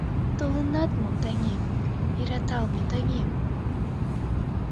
Толынат мо, таҥем, Йӧраталме таҥем?